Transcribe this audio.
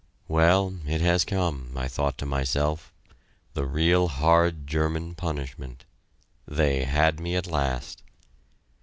Well, it has come, I thought to myself the real hard German punishment... they had me at last.